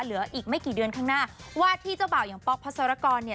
เหลืออีกไม่กี่เดือนข้างหน้าว่าที่เจ้าบ่าวอย่างป๊อกพัสรกรเนี่ย